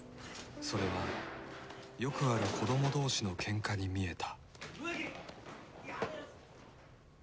それはよくある子供同士のけんかに見えた。